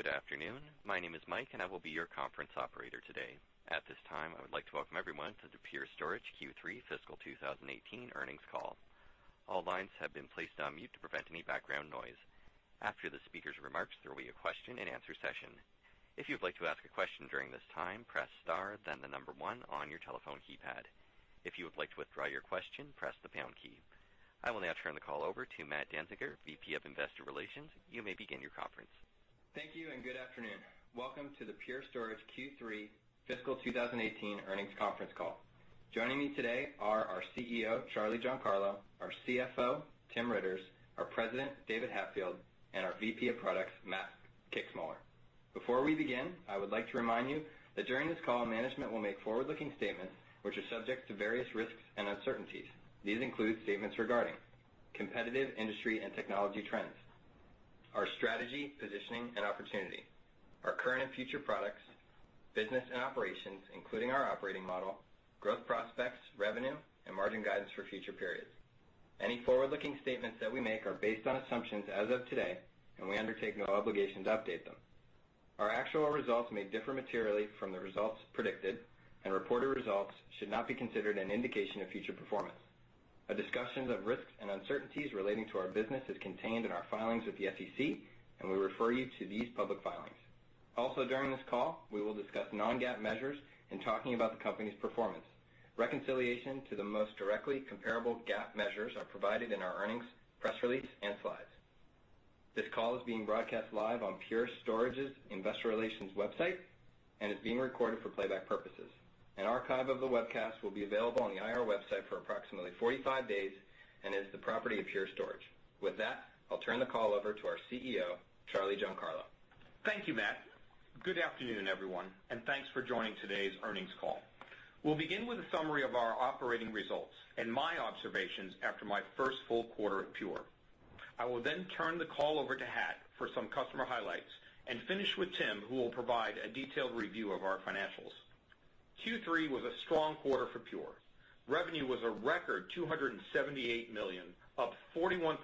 Good afternoon. My name is Mike and I will be your conference operator today. At this time, I would like to welcome everyone to the Pure Storage Q3 Fiscal 2018 earnings call. All lines have been placed on mute to prevent any background noise. After the speaker's remarks, there will be a question and answer session. If you'd like to ask a question during this time, press star then the number one on your telephone keypad. If you would like to withdraw your question, press the pound key. I will now turn the call over to Matt Danziger, VP of Investor Relations. You may begin your conference. Thank you. Good afternoon. Welcome to the Pure Storage Q3 Fiscal 2018 earnings conference call. Joining me today are our CEO, Charlie Giancarlo, our CFO, Tim Riitters, our President, David Hatfield, and our VP of Products, Matt Kixmoeller. Before we begin, I would like to remind you that during this call, management will make forward-looking statements which are subject to various risks and uncertainties. These include statements regarding competitive industry and technology trends, our strategy, positioning, and opportunity, our current and future products, business and operations, including our operating model, growth prospects, revenue, and margin guidance for future periods. Any forward-looking statements that we make are based on assumptions as of today. We undertake no obligation to update them. Our actual results may differ materially from the results predicted. Reported results should not be considered an indication of future performance. A discussion of risks and uncertainties relating to our business is contained in our filings with the SEC. We refer you to these public filings. Also during this call, we will discuss non-GAAP measures in talking about the company's performance. Reconciliation to the most directly comparable GAAP measures are provided in our earnings press release and slides. This call is being broadcast live on Pure Storage's investor relations website. It is being recorded for playback purposes. An archive of the webcast will be available on the IR website for approximately 45 days. It is the property of Pure Storage. With that, I'll turn the call over to our CEO, Charlie Giancarlo. Thank you, Matt. Good afternoon, everyone. Thanks for joining today's earnings call. We'll begin with a summary of our operating results. My observations after my first full quarter at Pure. I will then turn the call over to Hat for some customer highlights. Finish with Tim, who will provide a detailed review of our financials. Q3 was a strong quarter for Pure. Revenue was a record $278 million, up 41%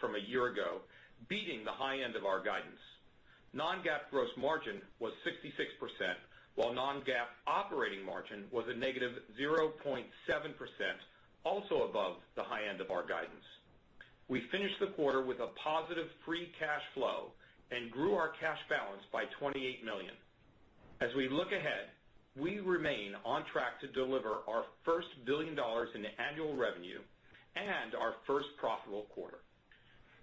from a year ago, beating the high end of our guidance. Non-GAAP gross margin was 66%, while non-GAAP operating margin was a negative 0.7%, also above the high end of our guidance. We finished the quarter with a positive free cash flow. Grew our cash balance by $28 million. As we look ahead, we remain on track to deliver our first $1 billion in annual revenue. Our first profitable quarter.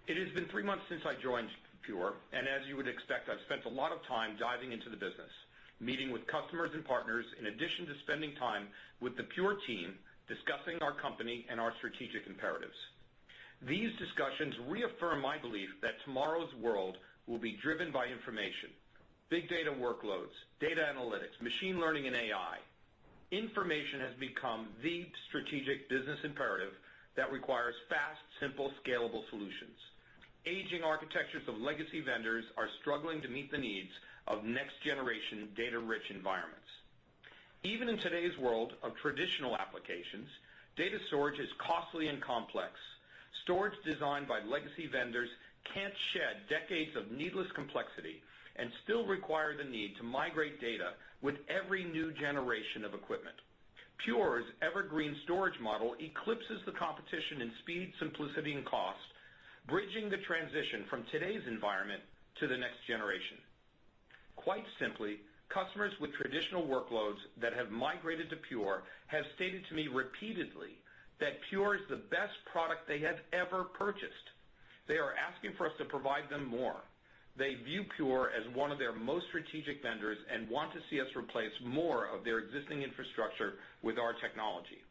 It has been three months since I joined Pure, and as you would expect, I've spent a lot of time diving into the business, meeting with customers and partners, in addition to spending time with the Pure team discussing our company and our strategic imperatives. These discussions reaffirm my belief that tomorrow's world will be driven by information, big data workloads, data analytics, machine learning, and AI. Information has become the strategic business imperative that requires fast, simple, scalable solutions. Aging architectures of legacy vendors are struggling to meet the needs of next-generation data-rich environments. Even in today's world of traditional applications, data storage is costly and complex. Storage designed by legacy vendors can't shed decades of needless complexity and still require the need to migrate data with every new generation of equipment. Pure's Evergreen Storage model eclipses the competition in speed, simplicity, and cost, bridging the transition from today's environment to the next-generation. Quite simply, customers with traditional workloads that have migrated to Pure have stated to me repeatedly that Pure is the best product they have ever purchased. They are asking for us to provide them more. They view Pure as one of their most strategic vendors and want to see us replace more of their existing infrastructure with our technology.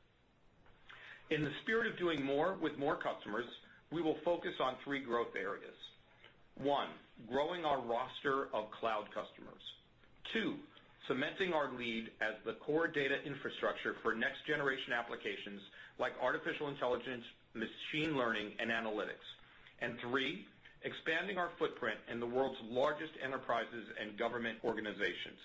In the spirit of doing more with more customers, we will focus on three growth areas. One. Growing our roster of cloud customers. Two. Cementing our lead as the core data infrastructure for next-generation applications like artificial intelligence, machine learning, and analytics. Three. Expanding our footprint in the world's largest enterprises and government organizations.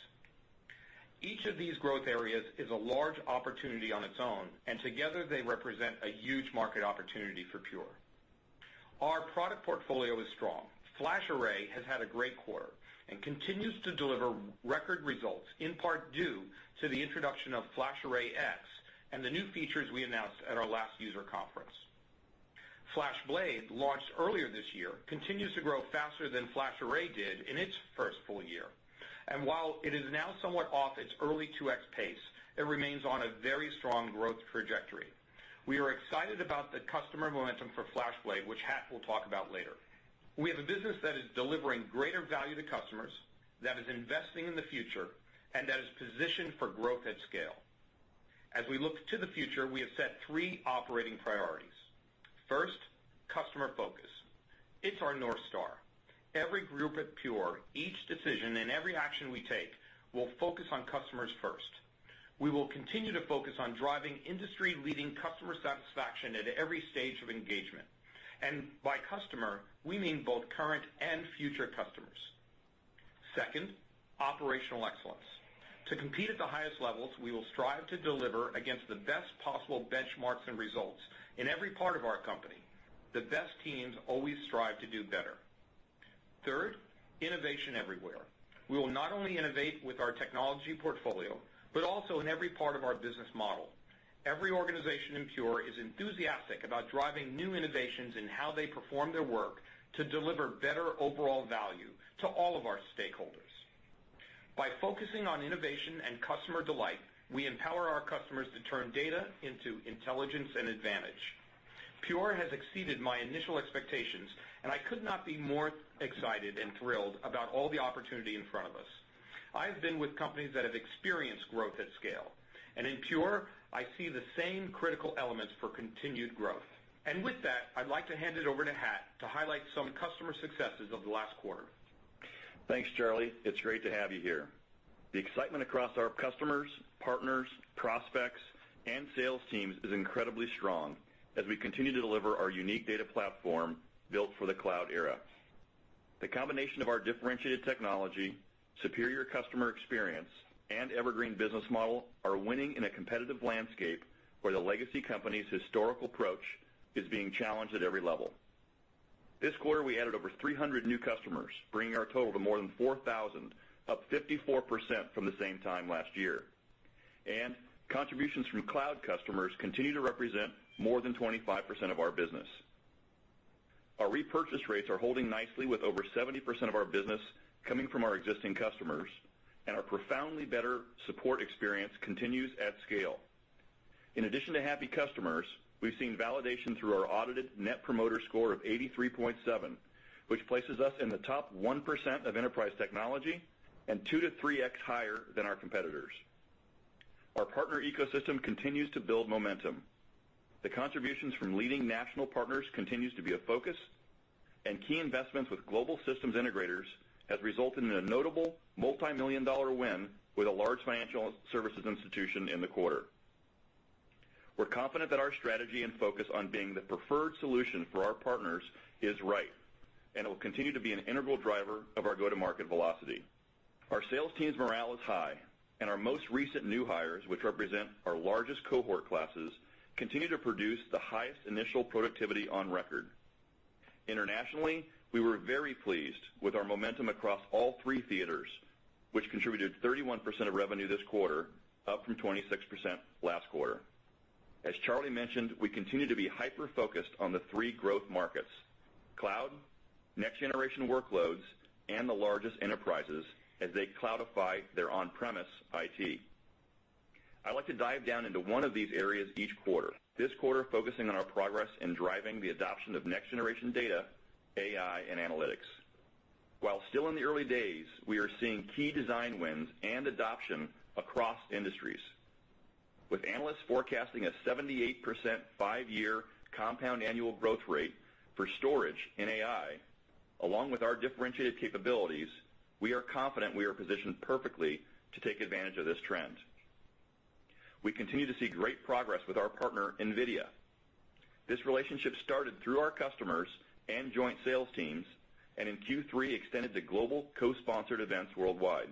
Each of these growth areas is a large opportunity on its own, and together they represent a huge market opportunity for Pure. Our product portfolio is strong. FlashArray has had a great quarter and continues to deliver record results, in part due to the introduction of FlashArray//X and the new features we announced at our last user conference. FlashBlade, launched earlier this year, continues to grow faster than FlashArray did in its first full year. While it is now somewhat off its early 2x pace, it remains on a very strong growth trajectory. We are excited about the customer momentum for FlashBlade, which Hat will talk about later. We have a business that is delivering greater value to customers, that is investing in the future, and that is positioned for growth at scale. As we look to the future, we have set three operating priorities. First. Customer focus. It's our North Star. Every group at Pure, each decision, and every action we take will focus on customers first. We will continue to focus on driving industry-leading customer satisfaction at every stage of engagement. By customer, we mean both current and future customers. Second. Operational excellence. To compete at the highest levels, we will strive to deliver against the best possible benchmarks and results in every part of our company. The best teams always strive to do better. Third. Innovation everywhere. We will not only innovate with our technology portfolio, but also in every part of our business model. Every organization in Pure is enthusiastic about driving new innovations in how they perform their work to deliver better overall value to all of our stakeholders. By focusing on innovation and customer delight, we empower our customers to turn data into intelligence and advantage. Pure has exceeded my initial expectations. I could not be more excited and thrilled about all the opportunity in front of us. I have been with companies that have experienced growth at scale. In Pure, I see the same critical elements for continued growth. With that, I'd like to hand it over to Hat to highlight some customer successes over the last quarter. Thanks, Charlie. It's great to have you here. The excitement across our customers, partners, prospects, and sales teams is incredibly strong as we continue to deliver our unique data platform built for the cloud era. The combination of our differentiated technology, superior customer experience, and evergreen business model are winning in a competitive landscape where the legacy company's historical approach is being challenged at every level. This quarter, we added over 300 new customers, bringing our total to more than 4,000, up 54% from the same time last year. Contributions from cloud customers continue to represent more than 25% of our business. Our repurchase rates are holding nicely with over 70% of our business coming from our existing customers, our profoundly better support experience continues at scale. In addition to happy customers, we've seen validation through our audited Net Promoter Score of 83.7, which places us in the top 1% of enterprise technology and 2x-3x higher than our competitors. Our partner ecosystem continues to build momentum. The contributions from leading national partners continues to be a focus, key investments with global systems integrators has resulted in a notable multimillion-dollar win with a large financial services institution in the quarter. We're confident that our strategy and focus on being the preferred solution for our partners is right, it will continue to be an integral driver of our go-to-market velocity. Our sales team's morale is high, our most recent new hires, which represent our largest cohort classes, continue to produce the highest initial productivity on record. Internationally, we were very pleased with our momentum across all three theaters, which contributed 31% of revenue this quarter, up from 26% last quarter. As Charlie mentioned, we continue to be hyper-focused on the three growth markets: cloud, next-generation workloads, and the largest enterprises as they cloudify their on-premise IT. I like to dive down into one of these areas each quarter. This quarter, focusing on our progress in driving the adoption of next-generation data, AI, and analytics. While still in the early days, we are seeing key design wins and adoption across industries. With analysts forecasting a 78% five-year compound annual growth rate for storage in AI, along with our differentiated capabilities, we are confident we are positioned perfectly to take advantage of this trend. We continue to see great progress with our partner, NVIDIA. This relationship started through our customers and joint sales teams, and in Q3 extended to global co-sponsored events worldwide.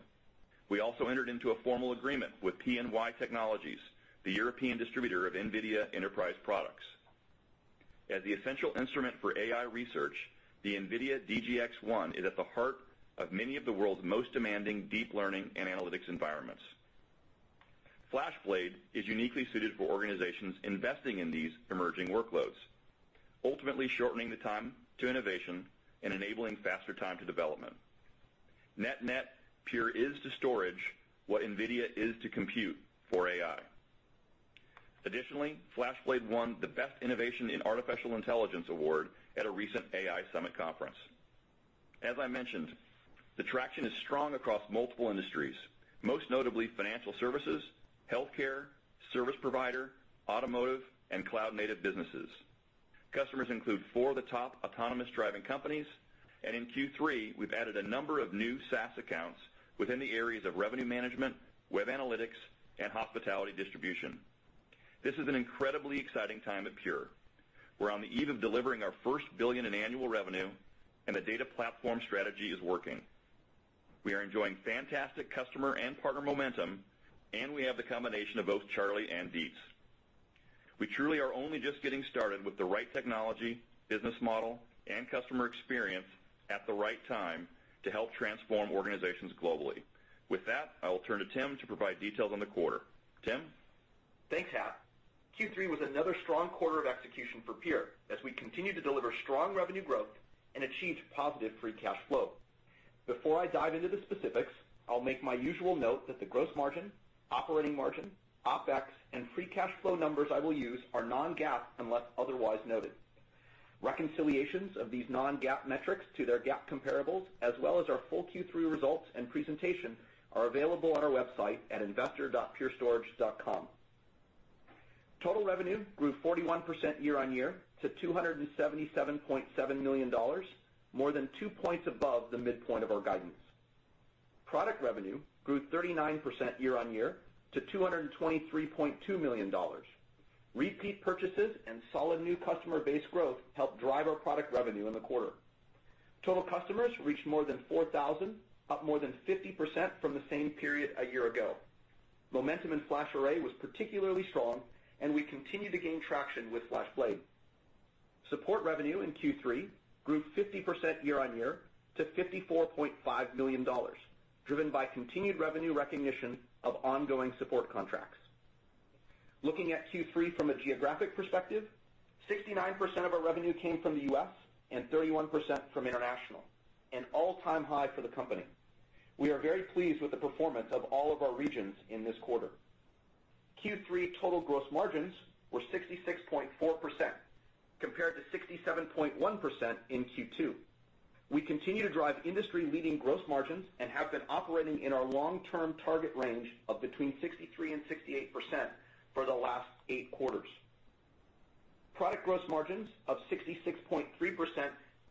We also entered into a formal agreement with PNY Technologies, the European distributor of NVIDIA enterprise products. As the essential instrument for AI research, the NVIDIA DGX-1 is at the heart of many of the world's most demanding deep learning and analytics environments. FlashBlade is uniquely suited for organizations investing in these emerging workloads, ultimately shortening the time to innovation and enabling faster time to development. Net-net, Pure is to storage what NVIDIA is to compute for AI. Additionally, FlashBlade won the Best Innovation in Artificial Intelligence award at a recent AI summit conference. As I mentioned, the traction is strong across multiple industries, most notably financial services, healthcare, service provider, automotive, and cloud-native businesses. Customers include four of the top autonomous driving companies, and in Q3, we've added a number of new SaaS accounts within the areas of revenue management, web analytics, and hospitality distribution. This is an incredibly exciting time at Pure. We're on the eve of delivering our first $1 billion in annual revenue, and the data platform strategy is working. We are enjoying fantastic customer and partner momentum, and we have the combination of both Charlie and Dietz. We truly are only just getting started with the right technology, business model, and customer experience at the right time to help transform organizations globally. With that, I will turn to Tim to provide details on the quarter. Tim? Thanks, Hat. Q3 was another strong quarter of execution for Pure as we continue to deliver strong revenue growth and achieve positive free cash flow. Before I dive into the specifics, I'll make my usual note that the gross margin, operating margin, OpEx, and free cash flow numbers I will use are non-GAAP unless otherwise noted. Reconciliations of these non-GAAP metrics to their GAAP comparables, as well as our full Q3 results and presentation, are available on our website at investor.purestorage.com. Total revenue grew 41% year-on-year to $277.7 million, more than two points above the midpoint of our guidance. Product revenue grew 39% year-on-year to $223.2 million. Repeat purchases and solid new customer base growth helped drive our product revenue in the quarter. Total customers reached more than 4,000, up more than 50% from the same period a year ago. Momentum in FlashArray was particularly strong, and we continue to gain traction with FlashBlade. Support revenue in Q3 grew 50% year-on-year to $54.5 million, driven by continued revenue recognition of ongoing support contracts. Looking at Q3 from a geographic perspective, 69% of our revenue came from the U.S. and 31% from international, an all-time high for the company. We are very pleased with the performance of all of our regions in this quarter. Q3 total gross margins were 66.4% compared to 67.1% in Q2. We continue to drive industry-leading gross margins and have been operating in our long-term target range of between 63% and 68% for the last eight quarters. Product gross margins of 66.3%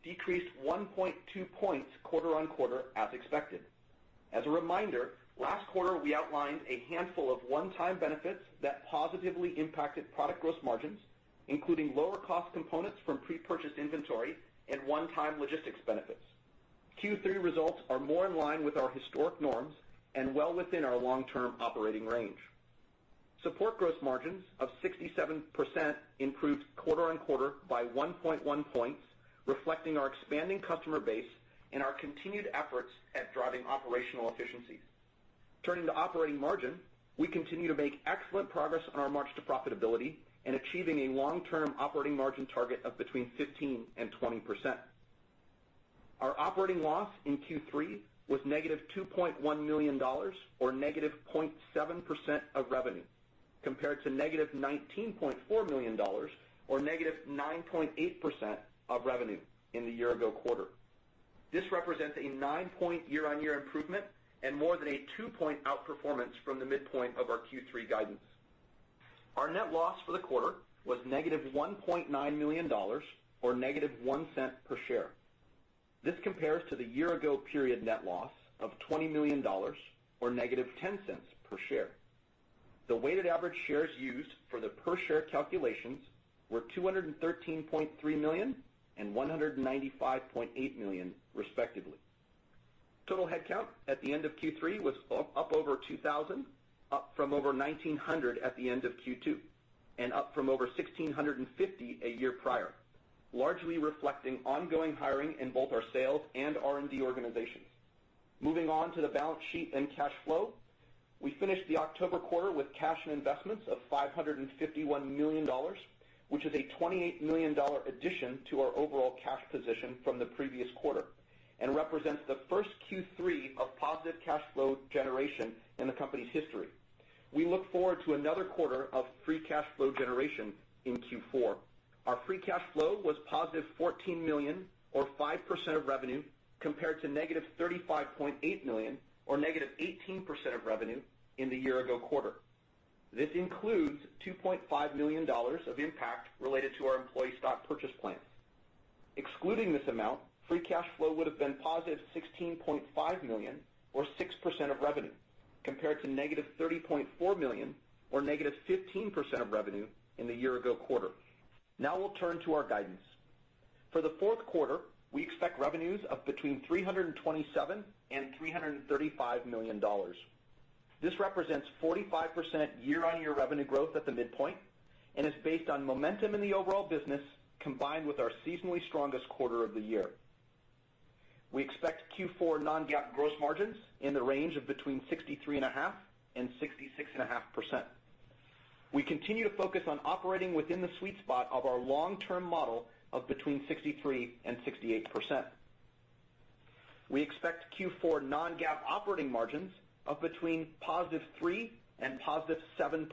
decreased 1.2 points quarter-on-quarter as expected. As a reminder, last quarter we outlined a handful of one-time benefits that positively impacted product gross margins, including lower cost components from pre-purchase inventory and one-time logistics benefits. Q3 results are more in line with our historic norms and well within our long-term operating range. Support gross margins of 67% improved quarter-on-quarter by 1.1 points, reflecting our expanding customer base and our continued efforts at driving operational efficiencies. Turning to operating margin, we continue to make excellent progress on our march to profitability and achieving a long-term operating margin target of between 15% and 20%. Our operating loss in Q3 was negative $2.1 million, or negative 0.7% of revenue, compared to negative $19.4 million, or negative 9.8% of revenue in the year-ago quarter. This represents a nine-point year-on-year improvement and more than a two-point outperformance from the midpoint of our Q3 guidance. Our net loss for the quarter was negative $1.9 million, or negative $0.01 per share. This compares to the year-ago period net loss of $20 million, or negative $0.10 per share. The weighted average shares used for the per-share calculations were 213.3 million and 195.8 million, respectively. Total headcount at the end of Q3 was up over 2,000, up from over 1,900 at the end of Q2, and up from over 1,650 a year prior, largely reflecting ongoing hiring in both our sales and R&D organizations. Moving on to the balance sheet and cash flow. We finished the October quarter with cash and investments of $551 million, which is a $28 million addition to our overall cash position from the previous quarter and represents the first Q3 of positive cash flow generation in the company's history. We look forward to another quarter of free cash flow generation in Q4. Our free cash flow was positive $14 million, or 5% of revenue, compared to negative $35.8 million, or negative 18% of revenue in the year-ago quarter. This includes $2.5 million of impact related to our employee stock purchase plan. Excluding this amount, free cash flow would have been positive $16.5 million, or 6% of revenue, compared to negative $30.4 million, or negative 15% of revenue in the year-ago quarter. Now we'll turn to our guidance. For the fourth quarter, we expect revenues of between $327 million and $335 million. This represents 45% year-on-year revenue growth at the midpoint and is based on momentum in the overall business, combined with our seasonally strongest quarter of the year. We expect Q4 non-GAAP gross margins in the range of between 63.5% and 66.5%. We continue to focus on operating within the sweet spot of our long-term model of between 63% and 68%. We expect Q4 non-GAAP operating margins of between positive 3% and positive 7%,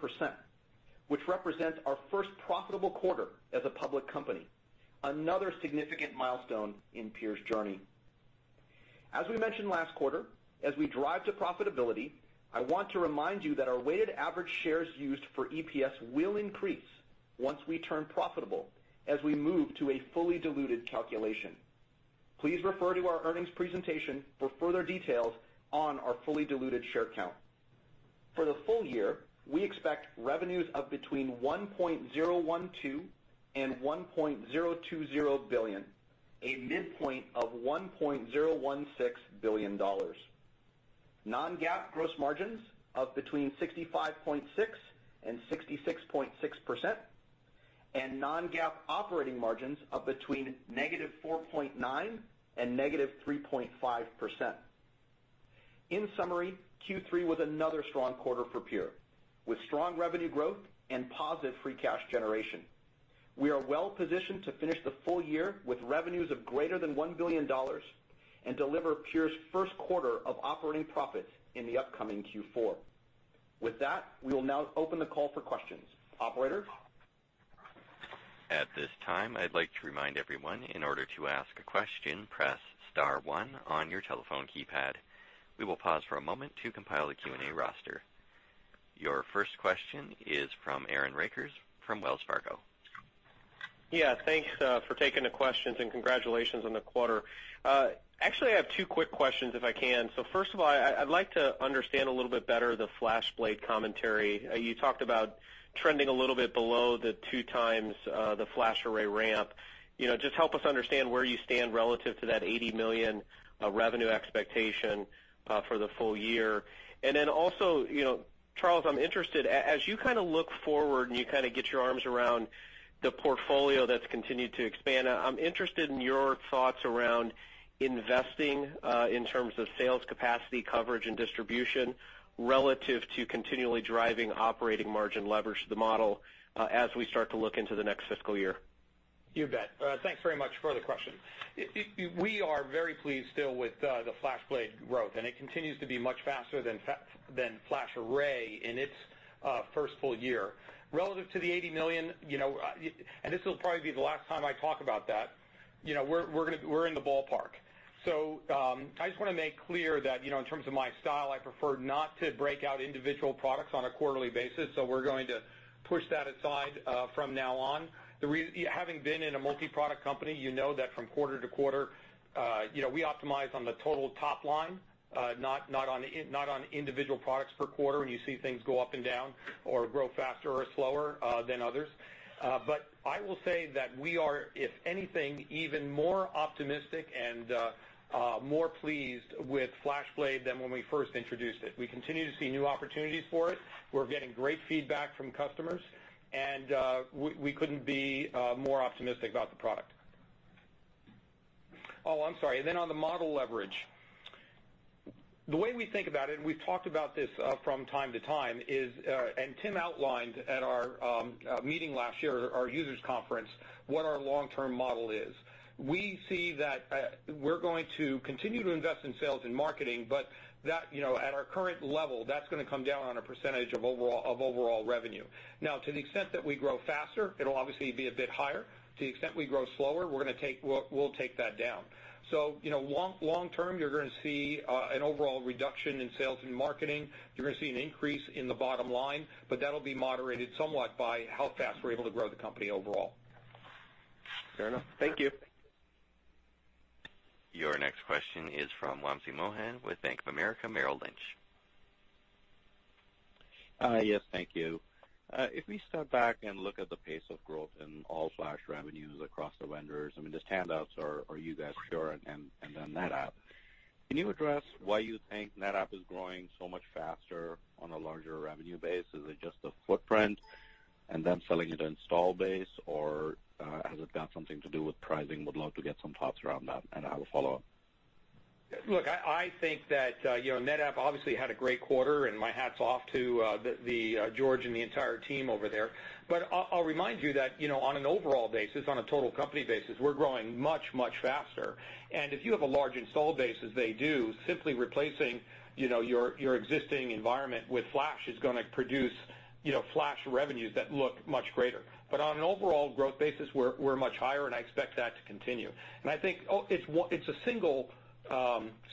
which represents our first profitable quarter as a public company, another significant milestone in Pure's journey. As we mentioned last quarter, as we drive to profitability, I want to remind you that our weighted average shares used for EPS will increase once we turn profitable as we move to a fully diluted calculation. Please refer to our earnings presentation for further details on our fully diluted share count. For the full year, we expect revenues of between $1.012 billion and $1.020 billion, a midpoint of $1.016 billion. Non-GAAP gross margins of between 65.6% and 66.6%, and non-GAAP operating margins of between negative 4.9% and negative 3.5%. In summary, Q3 was another strong quarter for Pure, with strong revenue growth and positive free cash generation. We are well-positioned to finish the full year with revenues of greater than $1 billion and deliver Pure's first quarter of operating profits in the upcoming Q4. With that, we will now open the call for questions. Operator? At this time, I'd like to remind everyone, in order to ask a question, press star one on your telephone keypad. We will pause for a moment to compile the Q&A roster. Your first question is from Aaron Rakers from Wells Fargo. Thanks for taking the questions, and congratulations on the quarter. Actually, I have two quick questions if I can. First of all, I'd like to understand a little bit better the FlashBlade commentary. You talked about trending a little bit below the two times the FlashArray ramp. Just help us understand where you stand relative to that $80 million revenue expectation for the full year. Then also, Charlie, as you look forward, and you get your arms around the portfolio that's continued to expand, I'm interested in your thoughts around investing in terms of sales capacity coverage and distribution relative to continually driving operating margin leverage to the model as we start to look into the next fiscal year. You bet. Thanks very much for the question. We are very pleased still with the FlashBlade growth, it continues to be much faster than FlashArray in its first full year. Relative to the $80 million, this will probably be the last time I talk about that, we're in the ballpark. I just want to make clear that, in terms of my style, I prefer not to break out individual products on a quarterly basis, so we're going to push that aside from now on. Having been in a multi-product company, you know that from quarter to quarter, we optimize on the total top line, not on individual products per quarter, you see things go up and down or grow faster or slower than others. I will say that we are, if anything, even more optimistic and more pleased with FlashBlade than when we first introduced it. We continue to see new opportunities for it. We're getting great feedback from customers, and we couldn't be more optimistic about the product. Oh, I'm sorry. On the model leverage. The way we think about it, and we've talked about this from time to time, and Tim outlined at our meeting last year, our users conference, what our long-term model is. We see that we're going to continue to invest in sales and marketing, but at our current level, that's going to come down on a percentage of overall revenue. To the extent that we grow faster, it'll obviously be a bit higher. To the extent we grow slower, we'll take that down. Long term, you're going to see an overall reduction in sales and marketing. You're going to see an increase in the bottom line, but that'll be moderated somewhat by how fast we're able to grow the company overall. Fair enough. Thank you. Your next question is from Wamsi Mohan with Bank of America Merrill Lynch. Yes. Thank you. If we step back and look at the pace of growth in all Flash revenues across the vendors, [just HPE, or you guys at Pure] and then NetApp. Can you address why you think NetApp is growing so much faster on a larger revenue base? Is it just the footprint and them selling it install base, or has it got something to do with pricing? Would love to get some thoughts around that. I have a follow-up. Look, I think that NetApp obviously had a great quarter, and my hat's off to George and the entire team over there. I'll remind you that on an overall basis, on a total company basis, we're growing much, much faster. If you have a large install base as they do, simply replacing your existing environment with Flash is going to produce Flash revenues that look much greater. On an overall growth basis, we're much higher, and I expect that to continue. I think it's a single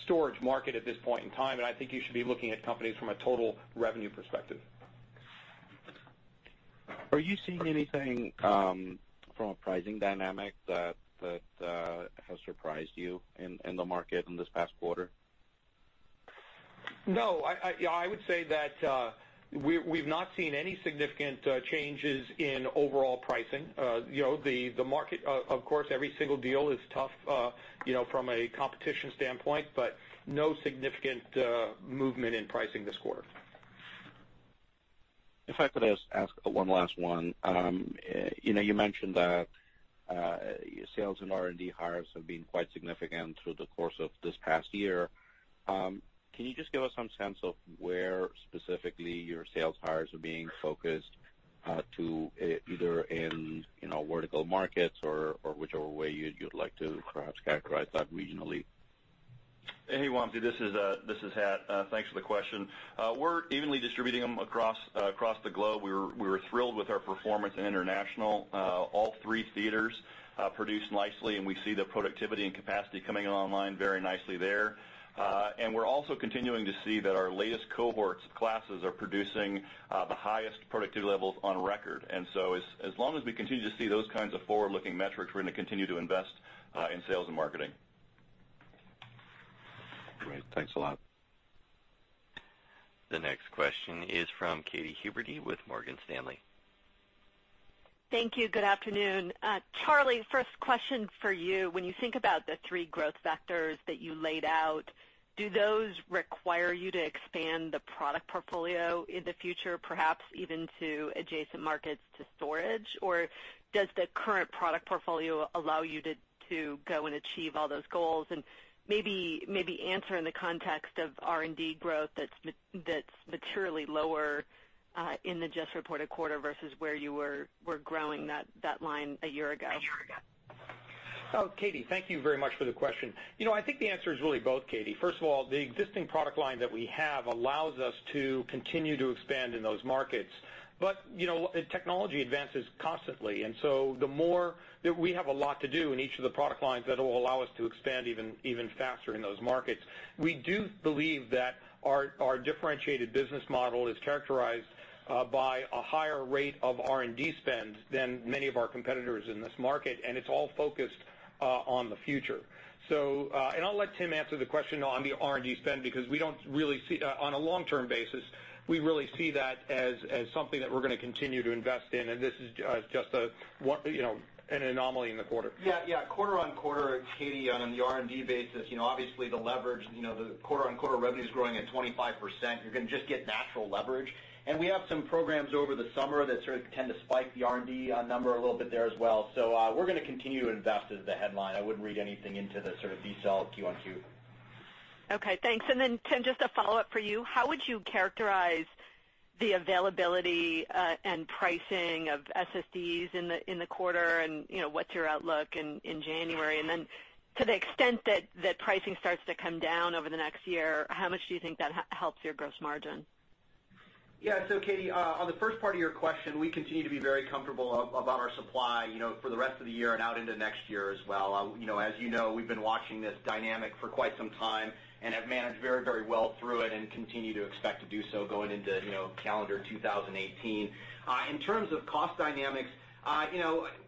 storage market at this point in time, I think you should be looking at companies from a total revenue perspective. Are you seeing anything from a pricing dynamic that has surprised you in the market in this past quarter? No. I would say that we've not seen any significant changes in overall pricing. The market, of course, every single deal is tough from a competition standpoint, but no significant movement in pricing this quarter. If I could just ask one last one. You mentioned that sales and R&D hires have been quite significant through the course of this past year. Can you just give us some sense of where specifically your sales hires are being focused to either in vertical markets or whichever way you'd like to perhaps characterize that regionally? Hey, Wamsi. This is Hat. Thanks for the question. We're evenly distributing them across the globe. We were thrilled with our performance in international. All three theaters produced nicely, we see the productivity and capacity coming online very nicely there. We're also continuing to see that our latest cohorts classes are producing the highest productivity levels on record. As long as we continue to see those kinds of forward-looking metrics, we're going to continue to invest in sales and marketing. Great. Thanks a lot. The next question is from Katy Huberty with Morgan Stanley. Thank you. Good afternoon. Charlie, first question for you. When you think about the three growth vectors that you laid out, do those require you to expand the product portfolio in the future, perhaps even to adjacent markets to storage? Or does the current product portfolio allow you to go and achieve all those goals? And maybe answer in the context of R&D growth that's materially lower in the just reported quarter versus where you were growing that line a year ago. Katy, thank you very much for the question. I think the answer is really both, Katy. First of all, the existing product line that we have allows us to continue to expand in those markets. Technology advances constantly, so we have a lot to do in each of the product lines that will allow us to expand even faster in those markets. We do believe that our differentiated business model is characterized by a higher rate of R&D spend than many of our competitors in this market, and it's all focused. On the future. I'll let Tim answer the question on the R&D spend because on a long-term basis, we really see that as something that we're going to continue to invest in, and this is just an anomaly in the quarter. Quarter-over-quarter, Katy, on the R&D basis, obviously the Quarter-over-quarter revenue's growing at 25%, you're going to just get natural leverage. We have some programs over the summer that sort of tend to spike the R&D number a little bit there as well. We're going to continue to invest as the headline. I wouldn't read anything into the sort of decel QoQ. Okay, thanks. Tim, just a follow-up for you. How would you characterize the availability and pricing of SSDs in the quarter, and what's your outlook in January? To the extent that pricing starts to come down over the next year, how much do you think that helps your gross margin? Yeah. Katy, on the first part of your question, we continue to be very comfortable about our supply for the rest of the year and out into next year as well. As you know, we've been watching this dynamic for quite some time and have managed very well through it, and continue to expect to do so going into calendar 2018. In terms of cost dynamics,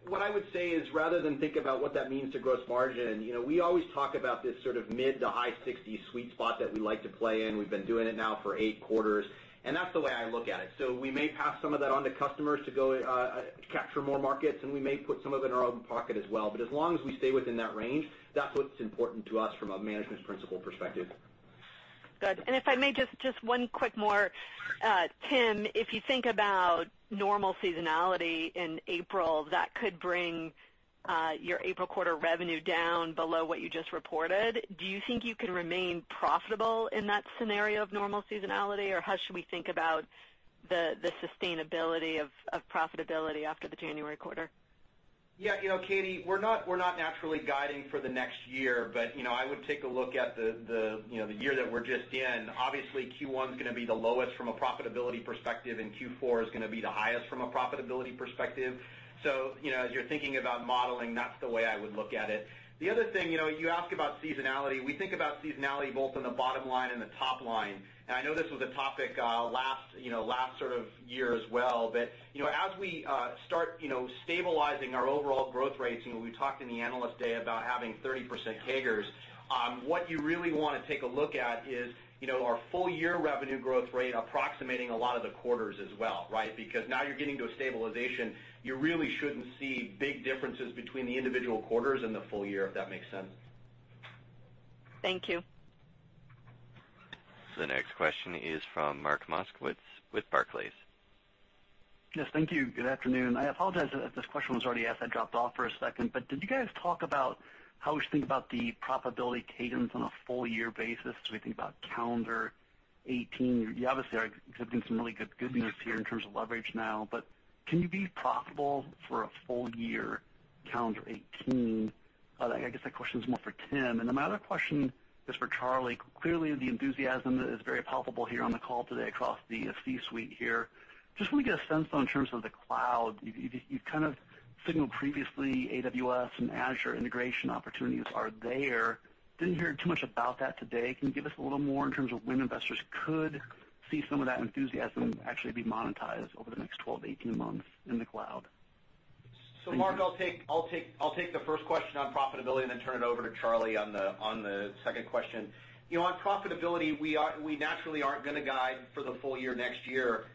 what I would say is rather than think about what that means to gross margin, we always talk about this sort of mid to high 60 sweet spot that we like to play in. We've been doing it now for eight quarters, and that's the way I look at it. We may pass some of that on to customers to capture more markets, and we may put some of it in our own pocket as well. As long as we stay within that range, that's what's important to us from a management principle perspective. Good. If I may, just one quick more. Tim, if you think about normal seasonality in April, that could bring your April quarter revenue down below what you just reported. Do you think you can remain profitable in that scenario of normal seasonality? How should we think about the sustainability of profitability after the January quarter? Katy, we're not naturally guiding for the next year, but I would take a look at the year that we're just in. Obviously, Q1 is going to be the lowest from a profitability perspective, and Q4 is going to be the highest from a profitability perspective. As you're thinking about modeling, that's the way I would look at it. The other thing, you asked about seasonality. We think about seasonality both in the bottom line and the top line. I know this was a topic last sort of year as well. As we start stabilizing our overall growth rates, we talked in the analyst day about having 30% CAGRs. What you really want to take a look at is our full-year revenue growth rate approximating a lot of the quarters as well, right? Because now you're getting to a stabilization, you really shouldn't see big differences between the individual quarters and the full-year, if that makes sense. Thank you. The next question is from Mark Moskowitz with Barclays. Yes. Thank you. Good afternoon. I apologize if this question was already asked, I dropped off for a second. Did you guys talk about how we should think about the profitability cadence on a full-year basis as we think about calendar 2018? You obviously are exhibiting some really good news here in terms of leverage now, but can you be profitable for a full year calendar 2018? I guess that question is more for Tim. My other question is for Charlie. Clearly the enthusiasm is very palpable here on the call today across the C-suite here. Just want to get a sense, though, in terms of the cloud. You've kind of signaled previously AWS and Azure integration opportunities are there. Didn't hear too much about that today. Can you give us a little more in terms of when investors could see some of that enthusiasm actually be monetized over the next 12-18 months in the cloud? Mark, I'll take the first question on profitability, then turn it over to Charlie on the second question. On profitability, we naturally aren't going to guide for the full year next year.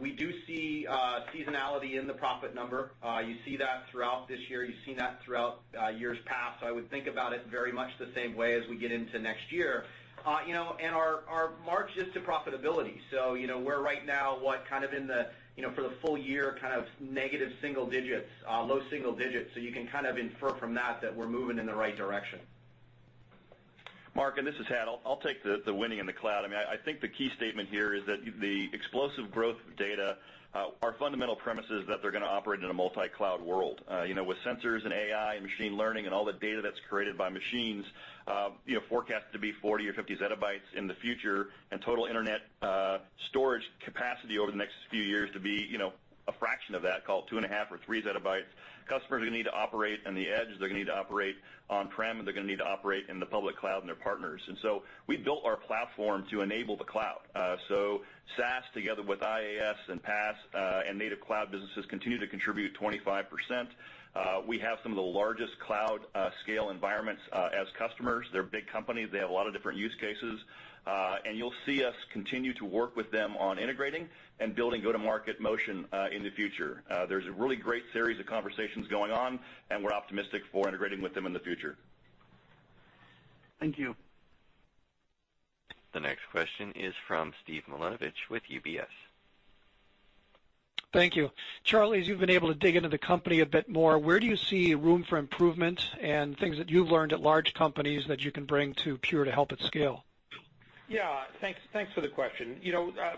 We do see seasonality in the profit number. You see that throughout this year. You've seen that throughout years past. I would think about it very much the same way as we get into next year. Our march is to profitability, so we're right now, what, for the full year, kind of negative single digits, low single digits. You can kind of infer from that we're moving in the right direction. Mark, this is Hat. I'll take the winning in the cloud. I think the key statement here is that the explosive growth of data, our fundamental premise is that they're going to operate in a multi-cloud world. With sensors and AI and machine learning and all the data that's created by machines, forecast to be 40 or 50 zettabytes in the future, and total internet storage capacity over the next few years to be a fraction of that, call it two and a half or three zettabytes. Customers are going to need to operate on the edge, they're going to need to operate on-prem, and they're going to need to operate in the public cloud and their partners. We built our platform to enable the cloud. SaaS together with IaaS and PaaS, and native cloud businesses continue to contribute 25%. We have some of the largest cloud scale environments as customers. They're big companies. They have a lot of different use cases. You'll see us continue to work with them on integrating and building go-to-market motion in the future. There's a really great series of conversations going on, and we're optimistic for integrating with them in the future. Thank you. The next question is from Steve Milunovich with UBS. Thank you. Charlie, as you've been able to dig into the company a bit more, where do you see room for improvement and things that you've learned at large companies that you can bring to Pure to help it scale? Thanks for the question.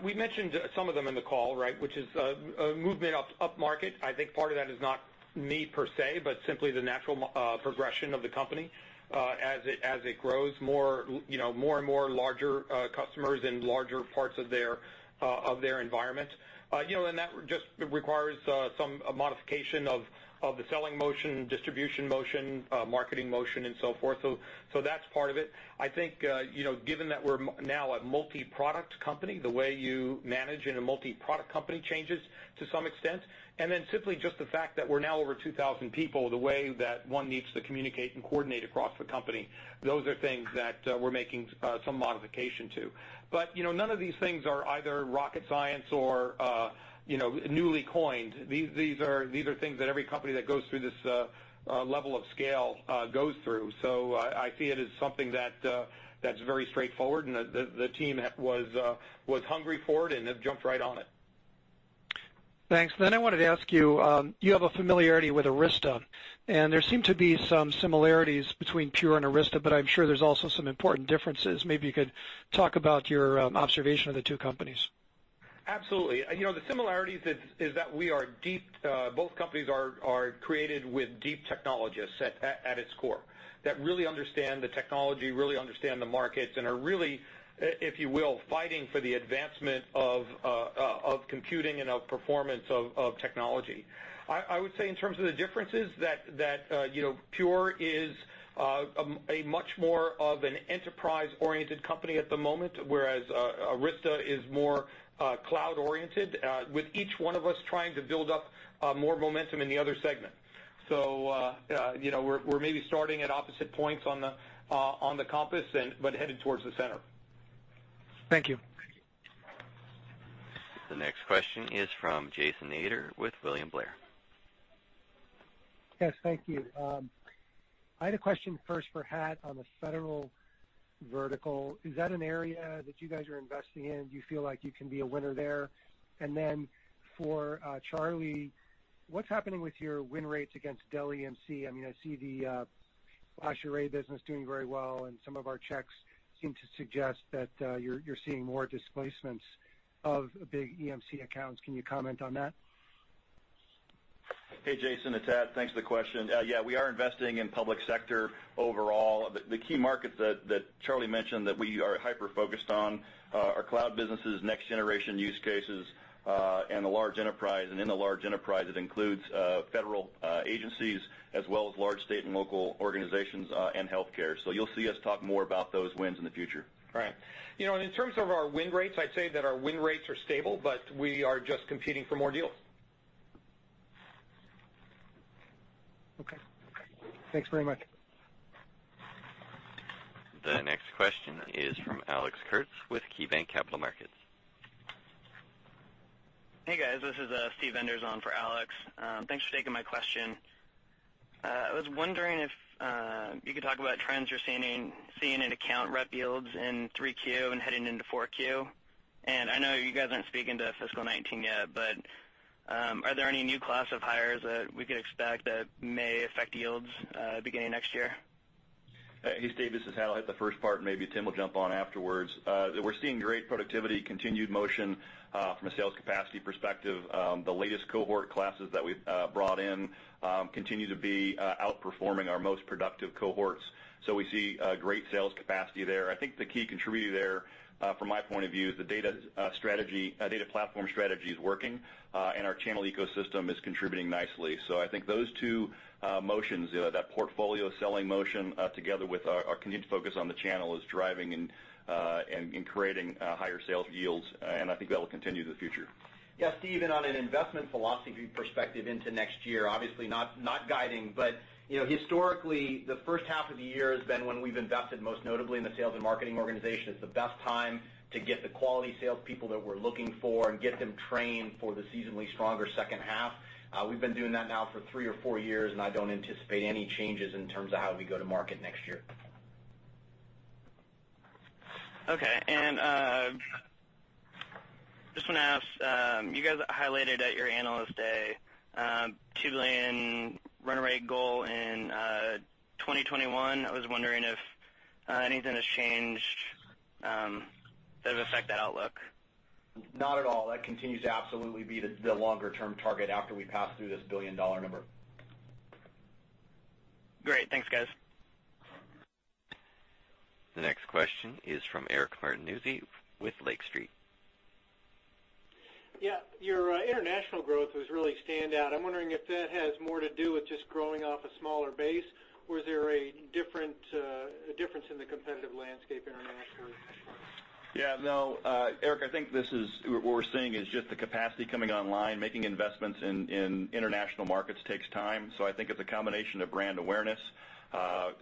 We mentioned some of them in the call, which is a movement up-market. I think part of that is not me per se, but simply the natural progression of the company as it grows more and more larger customers and larger parts of their environment. That just requires some modification of the selling motion, distribution motion, marketing motion, and so forth. That's part of it. I think given that we're now a multi-product company, the way you manage in a multi-product company changes to some extent. Simply just the fact that we're now over 2,000 people, the way that one needs to communicate and coordinate across the company. Those are things that we're making some modification to. None of these things are either rocket science or newly coined. These are things that every company that goes through this level of scale goes through. I see it as something that's very straightforward, and the team was hungry for it and have jumped right on it. Thanks. I wanted to ask you have a familiarity with Arista, and there seem to be some similarities between Pure and Arista, but I'm sure there's also some important differences. Maybe you could talk about your observation of the two companies. Absolutely. The similarities is that both companies are created with deep technologists at its core, that really understand the technology, really understand the markets, and are really, if you will, fighting for the advancement of computing and of performance of technology. I would say in terms of the differences that Pure is a much more of an enterprise-oriented company at the moment, whereas Arista is more cloud-oriented, with each one of us trying to build up more momentum in the other segment. We're maybe starting at opposite points on the compass, but headed towards the center. Thank you. The next question is from Jason Ader with William Blair. Yes, thank you. I had a question first for Hat on the federal vertical. Is that an area that you guys are investing in? Do you feel like you can be a winner there? Then for Charlie, what's happening with your win rates against Dell EMC? I see the FlashArray business doing very well, and some of our checks seem to suggest that you're seeing more displacements of big EMC accounts. Can you comment on that? Hey, Jason, it's Hat. Thanks for the question. Yeah, we are investing in public sector overall. The key markets that Charlie mentioned that we are hyper-focused on are cloud businesses, next generation use cases, and the large enterprise. In the large enterprise, it includes federal agencies as well as large state and local organizations and healthcare. You'll see us talk more about those wins in the future. Right. In terms of our win rates, I'd say that our win rates are stable, but we are just competing for more deals. Okay. Thanks very much. The next question is from Alex Kurtz with KeyBanc Capital Markets. Hey, guys. This is Steve Anders on for Alex. Thanks for taking my question. I was wondering if you could talk about trends you're seeing in account rep yields in 3Q and heading into 4Q. I know you guys aren't speaking to fiscal 2019 yet, but are there any new class of hires that we could expect that may affect yields beginning next year? Hey, Steve, this is Hat. I'll hit the first part, and maybe Tim will jump on afterwards. We're seeing great productivity, continued motion from a sales capacity perspective. The latest cohort classes that we've brought in continue to be outperforming our most productive cohorts. We see a great sales capacity there. I think the key contributor there, from my point of view, is the data platform strategy is working, and our channel ecosystem is contributing nicely. I think those two motions, that portfolio selling motion together with our continued focus on the channel, is driving and creating higher sales yields. I think that will continue to the future. Yeah, Steve, on an investment philosophy perspective into next year, obviously not guiding, but historically, the first half of the year has been when we've invested most notably in the sales and marketing organization. It's the best time to get the quality salespeople that we're looking for and get them trained for the seasonally stronger second half. We've been doing that now for three or four years, and I don't anticipate any changes in terms of how we go to market next year. Okay. Just want to ask, you guys highlighted at your Analyst Day, a $2 billion run rate goal in 2021. I was wondering if anything has changed that would affect that outlook. Not at all. That continues to absolutely be the longer-term target after we pass through this billion-dollar number. Great. Thanks, guys. The next question is from Eric Martinuzzi with Lake Street. Yeah. Your international growth was really standout. I'm wondering if that has more to do with just growing off a smaller base. Was there a difference in the competitive landscape internationally? Yeah, no. Eric, I think what we're seeing is just the capacity coming online. Making investments in international markets takes time. I think it's a combination of brand awareness,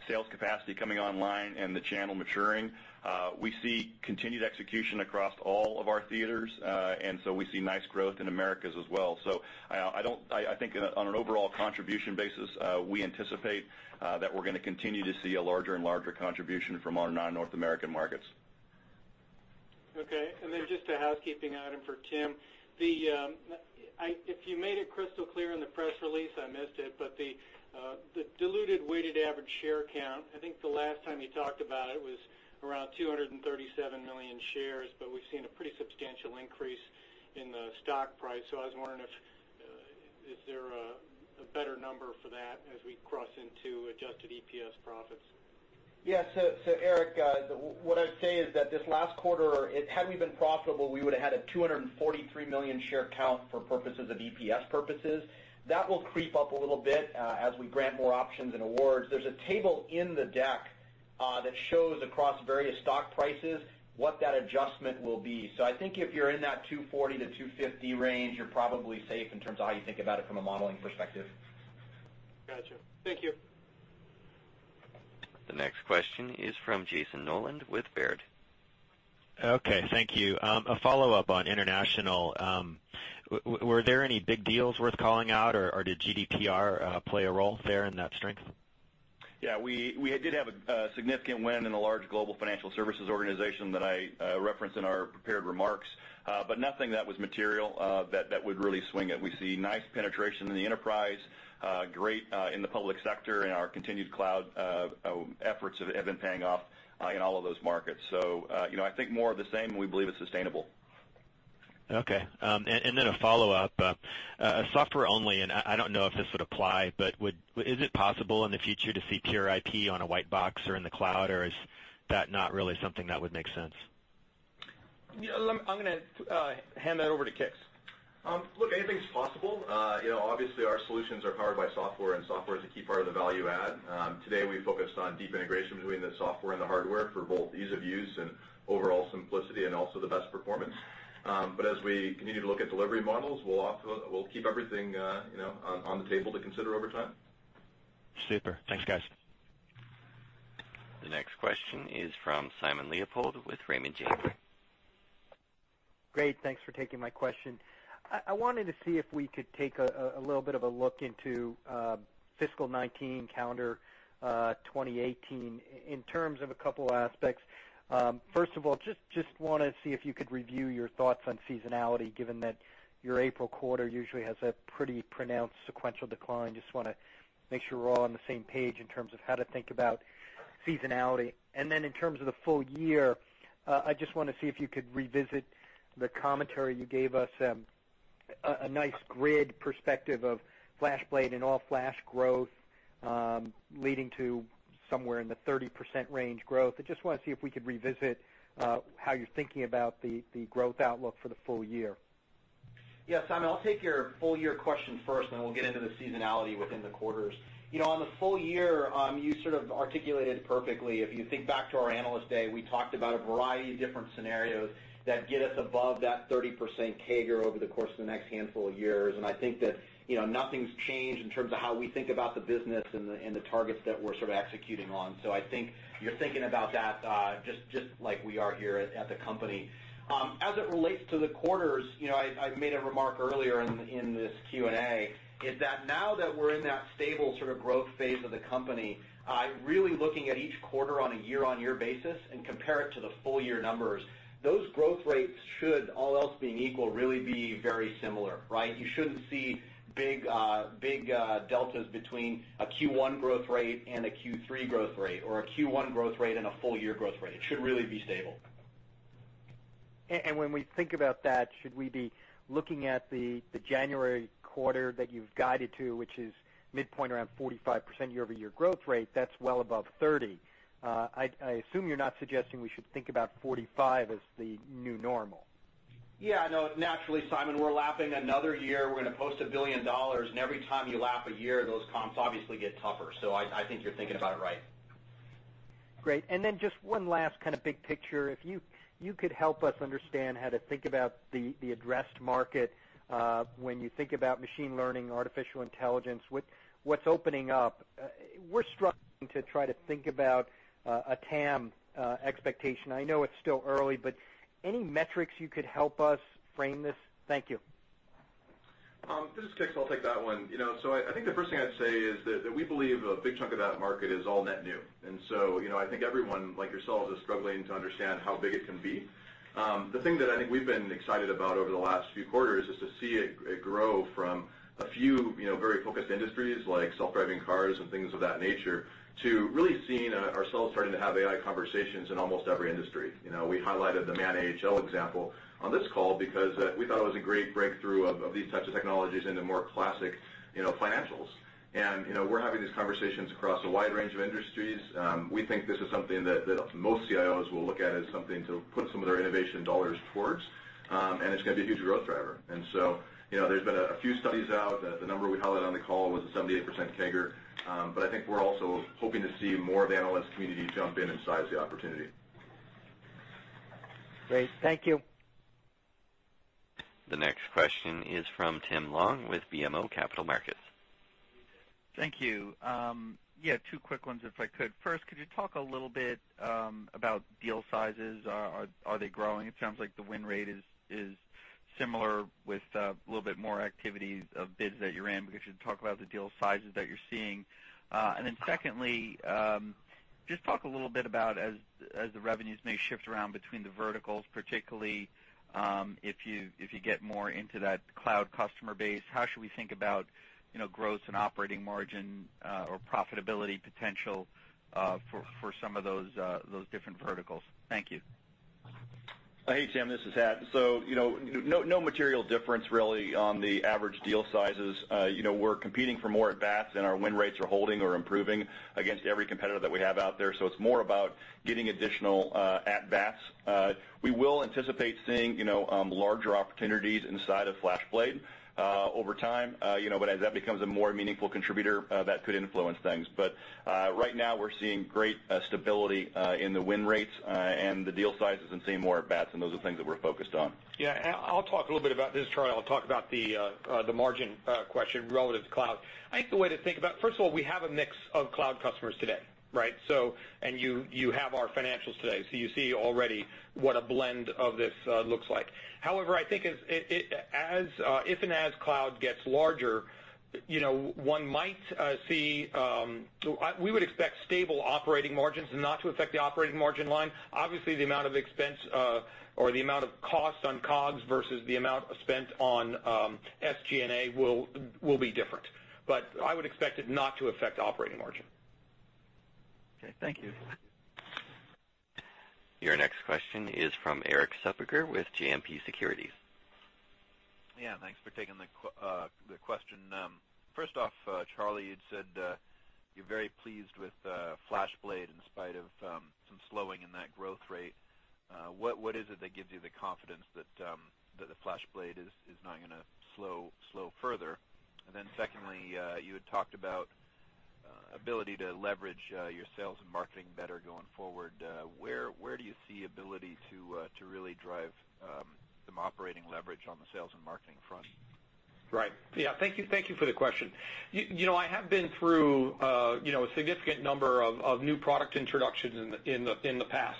sales capacity coming online, and the channel maturing. We see continued execution across all of our theaters, we see nice growth in Americas as well. I think on an overall contribution basis, we anticipate that we're going to continue to see a larger and larger contribution from our non-North American markets. Okay. Just a housekeeping item for Tim. If you made it crystal clear in the press release, I missed it, the diluted weighted average share count, I think the last time you talked about it was around 237 million shares, we've seen a pretty substantial increase in the stock price. I was wondering if there a better number for that as we cross into adjusted EPS profits? Eric, what I'd say is that this last quarter, had we been profitable, we would've had a 243 million share count for purposes of EPS purposes. That will creep up a little bit as we grant more options and awards. There's a table in the deck that shows across various stock prices what that adjustment will be. I think if you're in that 240-250 range, you're probably safe in terms of how you think about it from a modeling perspective. Got you. Thank you. The next question is from Jayson Noland with Baird. Thank you. A follow-up on international. Were there any big deals worth calling out, or did GDPR play a role there in that strength? Yeah, we did have a significant win in a large global financial services organization that I referenced in our prepared remarks, nothing that was material that would really swing it. We see nice penetration in the enterprise, great in the public sector, our continued cloud efforts have been paying off in all of those markets. I think more of the same. We believe it's sustainable. Okay. A follow-up. Software only, I don't know if this would apply, is it possible in the future to see Pure IP on a white box or in the cloud, is that not really something that would make sense? I'm going to hand that over to Kix. Look, anything's possible. Obviously, our solutions are powered by software is a key part of the value add. Today, we focused on deep integration between the software and the hardware for both ease of use and overall simplicity, also the best performance. As we continue to look at delivery models, we'll keep everything on the table to consider over time. Super. Thanks, guys. The next question is from Simon Leopold with Raymond James. Great. Thanks for taking my question. I wanted to see if we could take a little bit of a look into fiscal 2019, calendar 2018 in terms of a couple aspects. First of all, just want to see if you could review your thoughts on seasonality, given that your April quarter usually has a pretty pronounced sequential decline. Just want to make sure we're all on the same page in terms of how to think about seasonality. Then in terms of the full year, I just want to see if you could revisit the commentary you gave us, a nice grid perspective of FlashBlade and all-flash growth leading to somewhere in the 30% range growth. I just want to see if we could revisit how you're thinking about the growth outlook for the full year. Yeah, Simon, I'll take your full-year question first, and then we'll get into the seasonality within the quarters. On the full year, you sort of articulated perfectly. If you think back to our Analyst Day, we talked about a variety of different scenarios that get us above that 30% CAGR over the course of the next handful of years, and I think that nothing's changed in terms of how we think about the business and the targets that we're sort of executing on. I think you're thinking about that just like we are here at the company. As it relates to the quarters, I made a remark earlier in this Q&A, is that now that we're in that stable sort of growth phase of the company, really looking at each quarter on a year-over-year basis and compare it to the full-year numbers. Those growth rates should, all else being equal, really be very similar, right? You shouldn't see big deltas between a Q1 growth rate and a Q3 growth rate, or a Q1 growth rate and a full-year growth rate. It should really be stable. When we think about that, should we be looking at the January quarter that you've guided to, which is midpoint around 45% year-over-year growth rate? That's well above 30. I assume you're not suggesting we should think about 45 as the new normal. Yeah, no, naturally, Simon, we're lapping another year. We're going to post $1 billion, and every time you lap a year, those comps obviously get tougher. I think you're thinking about it right. Great. Then just one last kind of big picture. If you could help us understand how to think about the addressed market when you think about machine learning, artificial intelligence, what's opening up. We're struggling to try to think about a TAM expectation. I know it's still early, but any metrics you could help us frame this? Thank you. This is Kix. I'll take that one. I think the first thing I'd say is that we believe a big chunk of that market is all net new. I think everyone, like yourselves, is struggling to understand how big it can be. The thing that I think we've been excited about over the last few quarters is to see it grow from a few very focused industries, like self-driving cars and things of that nature, to really seeing ourselves starting to have AI conversations in almost every industry. We highlighted the Man AHL example on this call because we thought it was a great breakthrough of these types of technologies into more classic financials. We're having these conversations across a wide range of industries. We think this is something that most CIOs will look at as something to put some of their innovation dollars towards. It's going to be a huge growth driver. There's been a few studies out. The number we highlighted on the call was a 78% CAGR, but I think we're also hoping to see more of the analyst community jump in and size the opportunity. Great. Thank you. The next question is from Tim Long with BMO Capital Markets. Thank you. Yeah, two quick ones if I could. First, could you talk a little bit about deal sizes? Are they growing? It sounds like the win rate is similar with a little bit more activities of bids that you're in. We should talk about the deal sizes that you're seeing. Secondly, just talk a little bit about as the revenues may shift around between the verticals, particularly if you get more into that cloud customer base, how should we think about growth and operating margin or profitability potential for some of those different verticals? Thank you. Hey, Tim. This is Hat. No material difference really on the average deal sizes. We're competing for more at-bats, and our win rates are holding or improving against every competitor that we have out there. It's more about getting additional at-bats. We will anticipate seeing larger opportunities inside of FlashBlade over time. As that becomes a more meaningful contributor, that could influence things. Right now, we're seeing great stability in the win rates and the deal sizes, and seeing more at-bats, and those are things that we're focused on. Yeah. I'll talk about the margin question relative to cloud. I think the way to think about, first of all, we have a mix of cloud customers today Right. You have our financials today, so you see already what a blend of this looks like. However, I think if and as cloud gets larger, we would expect stable operating margins and not to affect the operating margin line. Obviously, the amount of expense or the amount of cost on COGS versus the amount spent on SG&A will be different. I would expect it not to affect operating margin. Okay, thank you. Your next question is from Erik Suppiger with JMP Securities. Yeah, thanks for taking the question. First off, Charlie, you'd said you're very pleased with FlashBlade in spite of some slowing in that growth rate. What is it that gives you the confidence that the FlashBlade is not going to slow further? Secondly, you had talked about ability to leverage your sales and marketing better going forward. Where do you see ability to really drive some operating leverage on the sales and marketing front? Right. Yeah, thank you for the question. I have been through a significant number of new product introductions in the past,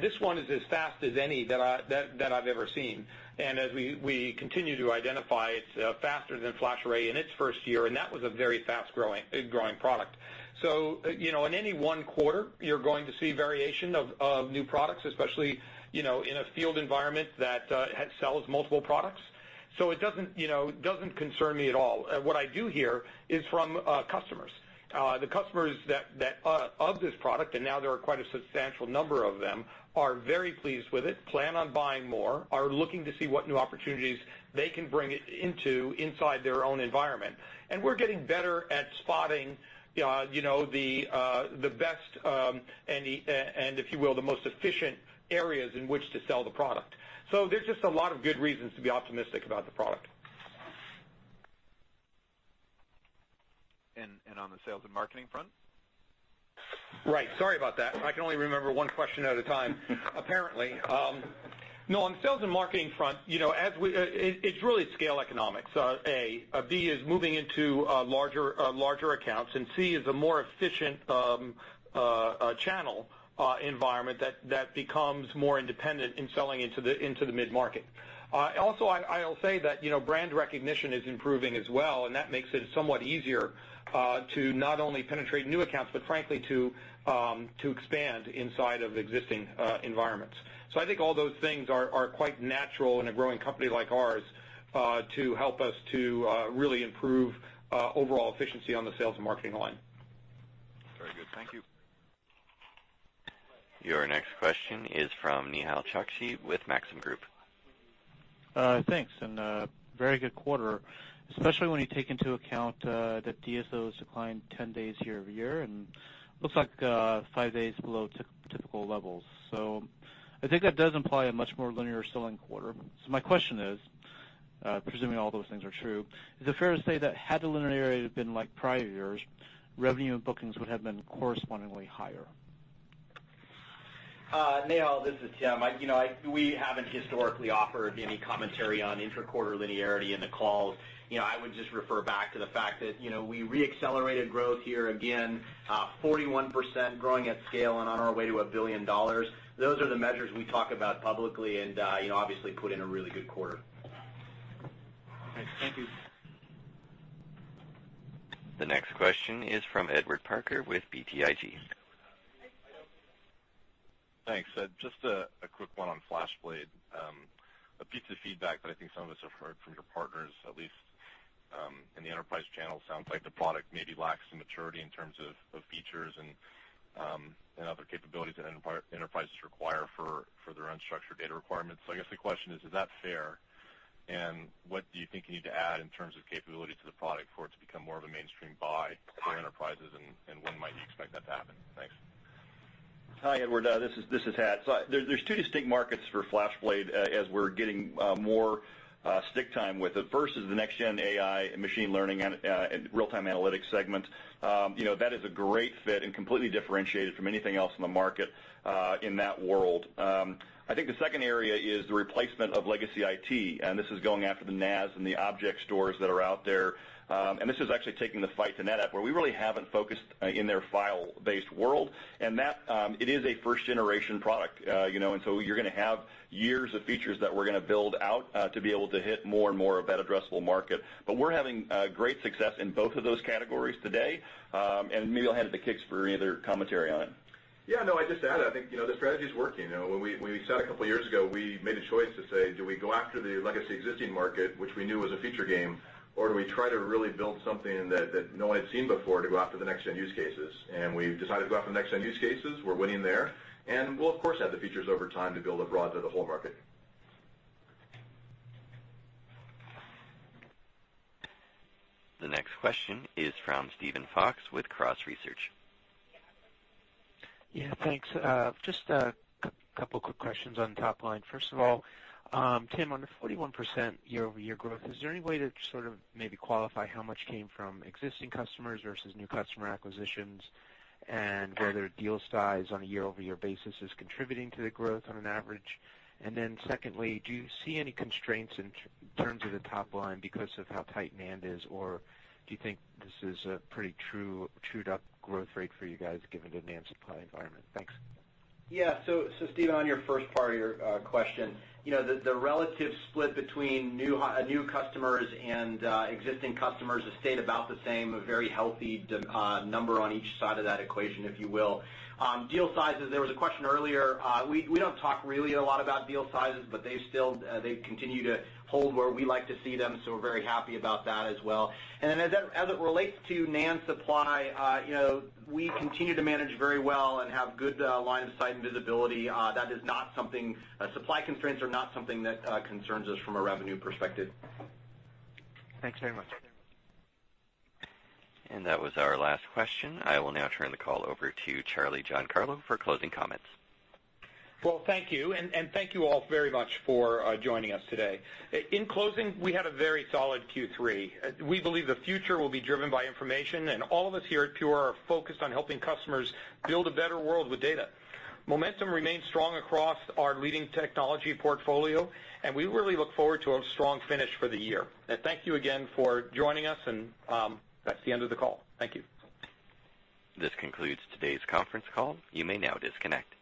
this one is as fast as any that I've ever seen. As we continue to identify, it's faster than FlashArray in its first year, that was a very fast-growing product. In any one quarter, you're going to see variation of new products, especially in a field environment that sells multiple products. It doesn't concern me at all. What I do hear is from customers. The customers of this product, and now there are quite a substantial number of them, are very pleased with it, plan on buying more, are looking to see what new opportunities they can bring it into inside their own environment. We're getting better at spotting the best and, if you will, the most efficient areas in which to sell the product. There's just a lot of good reasons to be optimistic about the product. On the sales and marketing front? Right. Sorry about that. I can only remember one question at a time, apparently. On the sales and marketing front, it's really scale economics, A. B is moving into larger accounts, C is a more efficient channel environment that becomes more independent in selling into the mid-market. I'll say that brand recognition is improving as well, and that makes it somewhat easier to not only penetrate new accounts, but frankly, to expand inside of existing environments. I think all those things are quite natural in a growing company like ours to help us to really improve overall efficiency on the sales and marketing line. Very good. Thank you. Your next question is from Nehal Chokshi with Maxim Group. Thanks. Very good quarter, especially when you take into account that DSO has declined 10 days year-over-year and looks like five days below typical levels. I think that does imply a much more linear selling quarter. My question is, presuming all those things are true, is it fair to say that had the linearity been like prior years, revenue and bookings would have been correspondingly higher? Nehal, this is Tim. We haven't historically offered any commentary on intra-quarter linearity in the calls. I would just refer back to the fact that we re-accelerated growth year again, 41% growing at scale and on our way to $1 billion. Those are the measures we talk about publicly and obviously put in a really good quarter. Okay, thank you. The next question is from Edward Parker with BTIG. Thanks. Just a quick one on FlashBlade. A piece of feedback that I think some of us have heard from your partners, at least in the enterprise channel. Sounds like the product maybe lacks some maturity in terms of features and other capabilities that enterprises require for their unstructured data requirements. I guess the question is that fair? What do you think you need to add in terms of capability to the product for it to become more of a mainstream buy for enterprises, and when might you expect that to happen? Thanks. Hi, Edward. This is Hat. There's two distinct markets for FlashBlade as we're getting more stick time with it. First is the next-gen AI and machine learning and real-time analytics segment. That is a great fit and completely differentiated from anything else in the market in that world. I think the second area is the replacement of legacy IT. This is going after the NAS and the object stores that are out there. This is actually taking the fight to NetApp, where we really haven't focused in their file-based world. That, it is a first-generation product. You're going to have years of features that we're going to build out to be able to hit more and more of that addressable market. We're having great success in both of those categories today. Maybe I'll hand it to Kix for any other commentary on it. Yeah, no, I'd just add, I think the strategy is working. When we sat a couple of years ago, we made a choice to say, do we go after the legacy existing market, which we knew was a feature game, or do we try to really build something that no one had seen before to go after the next-gen use cases? We've decided to go after the next-gen use cases. We're winning there. We'll of course have the features over time to build abroad to the whole market. The next question is from Stephen Fox with Cross Research. Yeah, thanks. Just a couple quick questions on top line. First of all, Tim, on the 41% year-over-year growth, is there any way to sort of maybe qualify how much came from existing customers versus new customer acquisitions? And whether deal size on a year-over-year basis is contributing to the growth on an average? Secondly, do you see any constraints in terms of the top line because of how tight NAND is? Or do you think this is a pretty trued-up growth rate for you guys given the NAND supply environment? Thanks. Yeah. Stephen, on your first part of your question, the relative split between new customers and existing customers has stayed about the same, a very healthy number on each side of that equation, if you will. Deal sizes, there was a question earlier. We don't talk really a lot about deal sizes, but they continue to hold where we like to see them, so we're very happy about that as well. As it relates to NAND supply, we continue to manage very well and have good line of sight and visibility. Supply constraints are not something that concerns us from a revenue perspective. Thanks very much. That was our last question. I will now turn the call over to Charlie Giancarlo for closing comments. Well, thank you, and thank you all very much for joining us today. In closing, we had a very solid Q3. We believe the future will be driven by information, and all of us here at Pure are focused on helping customers build a better world with data. Momentum remains strong across our leading technology portfolio, and we really look forward to a strong finish for the year. Thank you again for joining us, and that's the end of the call. Thank you. This concludes today's conference call. You may now disconnect.